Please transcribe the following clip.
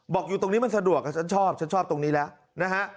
อยู่ตรงนี้มันสะดวกฉันชอบฉันชอบตรงนี้แล้วนะฮะ